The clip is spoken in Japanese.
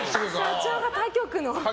社長が他局の。